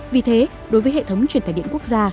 vì thế đối với hệ thống truyền tài điện quốc gia